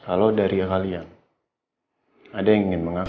halo dari kalian ada yang ingin mengaku